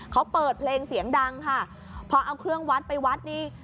เขาเปิดเพลงเสียงดังค่ะพอเอาเครื่องวัดไปวัดนี่